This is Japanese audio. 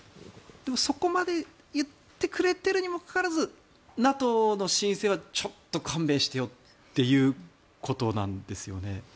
でもそこまで言ってくれてるにもかかわらずＮＡＴＯの申請はちょっと勘弁してよということなんですよね。